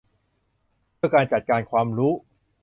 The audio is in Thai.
เพื่อการจัดการความรู้